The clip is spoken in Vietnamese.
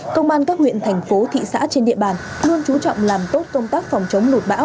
công an các huyện thành phố thị xã trên địa bàn luôn trú trọng làm tốt công tác phòng chống lụt bão